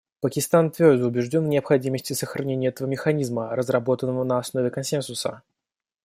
Пакистан твердо убежден в необходимости сохранения этого механизма, разработанного на основе консенсуса.